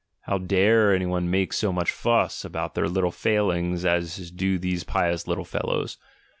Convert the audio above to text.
How dare any one make so much fuss about their little failings as do these pious little fellows!